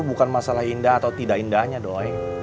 bukan masalah indah atau tidak indahnya dong